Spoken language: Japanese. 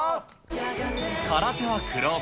空手は黒帯。